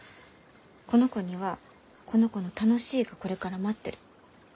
この子にはこの子の楽しいがこれから待ってる。